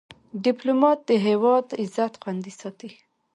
ډيپلومات د هیواد عزت خوندي ساتي.